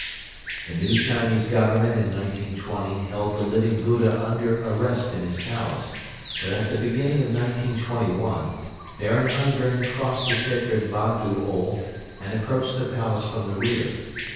The new Chinese Government in 1920 held the Living Buddha under arrest in his palace but at the beginning of 1921 Baron Ungern crossed the sacred Bogdo Ol and approached the palace from the rear.